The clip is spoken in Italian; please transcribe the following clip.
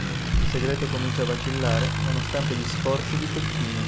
Il segreto comincia a vacillare nonostante gli sforzi di Peppino.